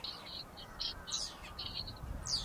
په لمر کي کښېناستل بدن ته ویټامین ورکوي.